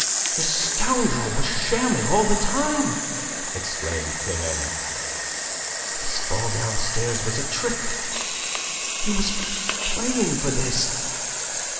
"The scoundrel was shamming all the time!" exclaimed Climene. "His fall downstairs was a trick. He was playing for this.